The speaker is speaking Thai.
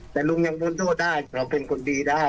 แต่ลุงยังพ้นโทษได้เราเป็นคนดีได้